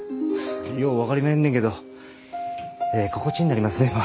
よう分かりまへんねんけどええ心地になりますねんわ。